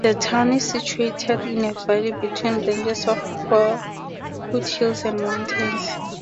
The town is situated in a valley between ranges of foothills and mountains.